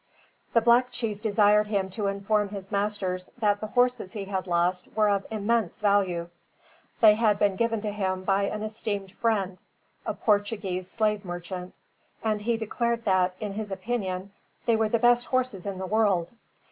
The black chief desired him to inform his masters, that the horses he had lost were of immense value. They had been given to him by an esteemed friend, a Portuguese slave merchant; and he declared that, in his opinion, they were the best horses in the world.